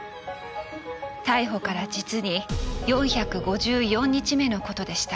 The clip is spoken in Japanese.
逮捕から実に４５４日目のことでした。